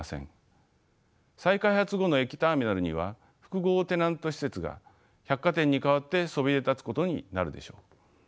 再開発後の駅ターミナルには複合テナント施設が百貨店に代わってそびえ立つことになるでしょう。